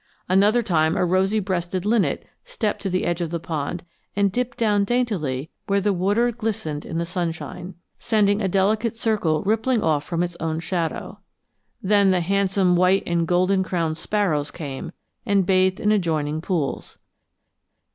Another time a rosy breasted linnet stepped to the edge of the pond and dipped down daintily where the water glistened in the sunshine, sending a delicate circle rippling off from its own shadow. Then the handsome white and golden crowned sparrows came and bathed in adjoining pools.